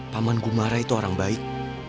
paman gumara itu orang baik